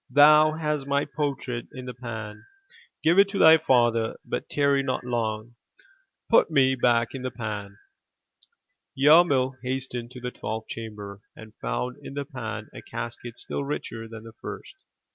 Thou hast my portrait in the pan; give it to thy father, but tarry not long. Put me back in the pan." Yarmil hastened to the twelfth chamber, and found in the pan a casket still richer than the first.